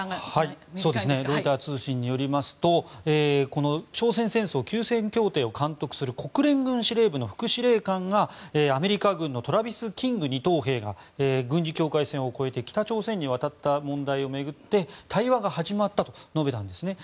ロイター通信によりますと朝鮮戦争休戦協定を監督する国連司令部の副司令官がアメリカ軍のトラビス・キング二等兵が軍事境界線を越えて北朝鮮に渡った問題を巡って対話が始まったと述べたんですね。